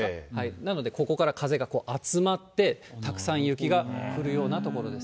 なので、ここから風が集まって、たくさん雪が降るような所です。